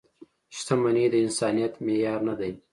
• شتمني د انسانیت معیار نه دی.